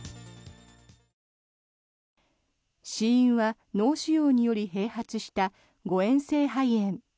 死因は脳腫瘍により併発した誤嚥性肺炎。